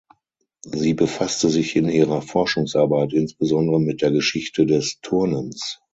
Sie befasste sich in ihrer Forschungsarbeit insbesondere mit der Geschichte des Turnens.